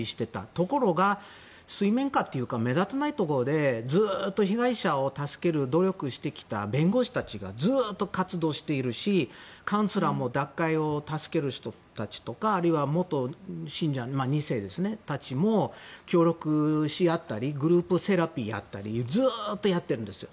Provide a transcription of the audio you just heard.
ところが、水面下というか目立たないところでずっと被害者を助ける努力をしてきた弁護士たちがずっと活動しているしカウンセラーも奪回を助ける人たちとか元信者、２世たちも協力し合ったりグループセラピーだったりずっとやってるんです。